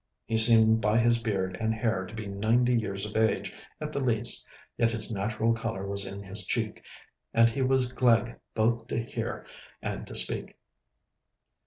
He seemed by his beard and hair to be ninety years of age at the least, yet his natural colour was in his cheek, and he was gleg both to hear and to speak.